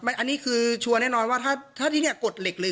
อันนี้คือชัวร์แน่นอนว่าถ้าที่นี่กดเหล็กหรือ